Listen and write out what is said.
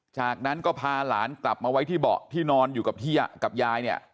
จากนั้นก็พาหลานกลับมาไว้ที่เบาะที่นอนอยู่กับยายเนี่ย